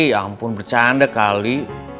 ya ampun bercanda kali